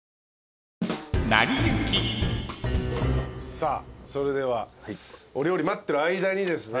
さあそれではお料理待ってる間にですね。